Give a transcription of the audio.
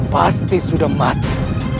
pasti sudah mati